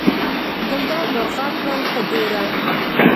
ګلداد ور غږ کړل: ته ګوره.